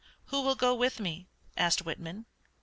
"Who will go with me?" asked Whitman.